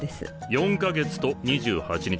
４か月と２８日だ。